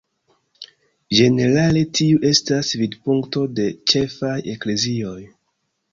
Ĝenerale tiu estas vidpunkto de ĉefaj eklezioj.